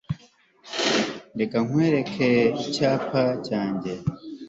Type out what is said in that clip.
reka nkwereke icyapa cyanjye